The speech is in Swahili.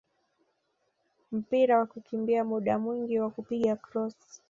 mpira wa kukimbia muda mwingi na kupiga krosi